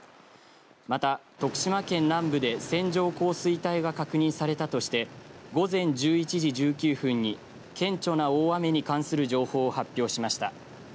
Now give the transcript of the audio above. また徳島県南部で線状降水帯が確認されたとして午前１１時１９分に顕著な大雨に関する情報を発表しました。